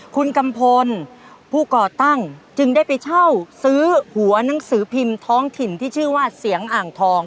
คุณกัมพลผู้ก่อตั้งจึงได้ไปเช่าซื้อหัวหนังสือพิมพ์ท้องถิ่นที่ชื่อว่าเสียงอ่างทอง